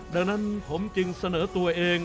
ดังนั้นผมจึงเสนอตัวเอง